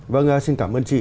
vâng xin cảm ơn chị